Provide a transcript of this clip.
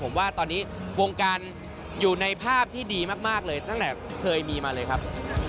ผมว่าตอนนี้วงการอยู่ในภาพที่ดีมากเลยตั้งแต่เคยมีมาเลยครับ